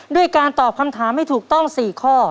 ด้วยการตอบคำถามให้ถูกต้อง๔ข้อ